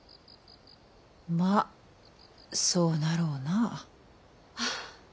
まあそうなろうな。